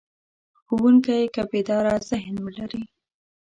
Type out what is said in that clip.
ښوونکی که بیداره ذهن ولري.